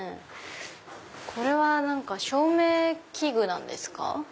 これは照明器具なんですか？